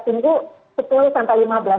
dengan cara menjual rumah